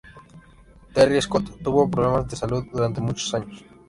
Terry Scott tuvo problemas de salud durante muchos años.